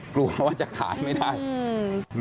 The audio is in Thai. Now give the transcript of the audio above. กลัวว่าจะขายไม่ได้อืม